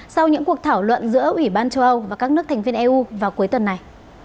sau những cuộc thảo luận giữa ủy ban châu âu và các nước thành viên eu vào cuối tuần này